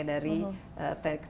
mungkin yang terakhir